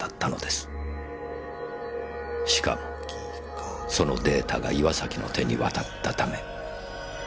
しかもそのデータが岩崎の手に渡ったため。